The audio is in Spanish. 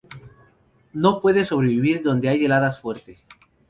No puede sobrevivir donde hay heladas fuerte.